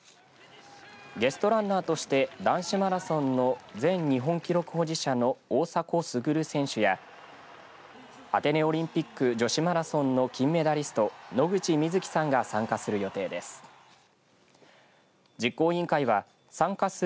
ゲストランナーとして男子マラソンの前日本記録保持者の大迫傑選手やアテネオリンピック女子マラソンの金メダリスト野口みずきさんが参加する予定です。